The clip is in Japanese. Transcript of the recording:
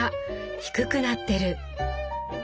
低くなってる。